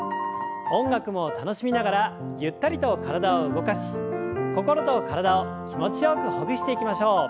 音楽も楽しみながらゆったりと体を動かし心と体を気持ちよくほぐしていきましょう。